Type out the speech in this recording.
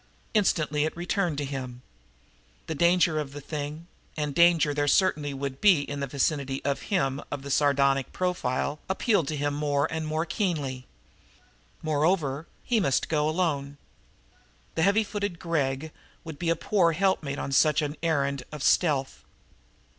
Instantly it returned to him. The danger of the thing, and danger there certainly would be in the vicinity of him of the sardonic profile, appealed to him more and more keenly. Moreover, he must go alone. The heavy footed Gregg would be a poor helpmate on such an errand of stealth.